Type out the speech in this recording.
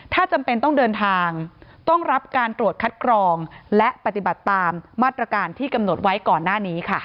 ถ้าจำเป็นต้องเดินทางต้องรับการตรวจคัดกรองและปฏิบัติตามมาตรการที่กำหนดไว้ก่อนหน้านี้ค่ะ